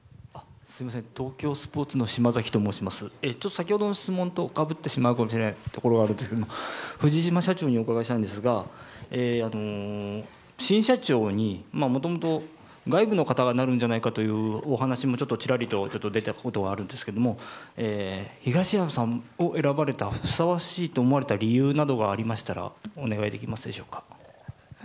先ほどの質問とかぶってしまうところがあるかもしれないんですが藤島社長にお伺いしたいんですが新社長にもともと外部の方がなるんじゃないかというお話もちらりと出たことがあると思うんですが東山さんを選ばれたふさわしいと思われた理由がおありでしたらお願いできますでしょうか。